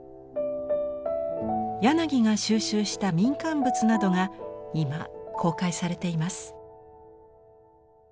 柳が収集した民間仏などが今公開されています。